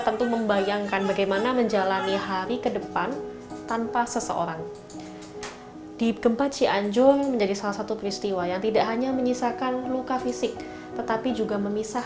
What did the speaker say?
ketimpangan ketidakadilan masih menjadi pemandangan yang jamak di sekeliling kita